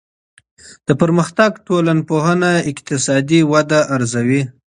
د پرمختګ ټولنپوهنه اقتصادي وده ارزوي.